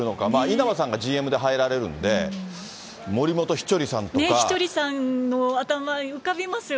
稲葉さんがＧＭで入られるんで、稀哲さんの頭、浮かびますよ